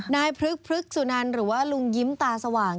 พลึกพฤกษุนันหรือว่าลุงยิ้มตาสว่าง